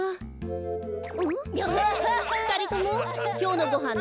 ふたりともきょうのごはん